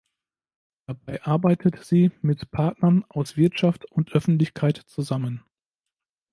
Dabei arbeitet sie mit Partnern aus Wirtschaft und Öffentlichkeit zusammen.